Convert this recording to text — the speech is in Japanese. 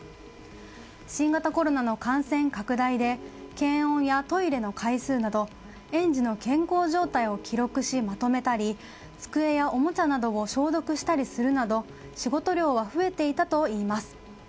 新型コロナの感染拡大で検温やトイレの回数など園児の健康状態を記録しまとめたり机やおもちゃなどを消毒したりするなど仕事量は増えていたといいます。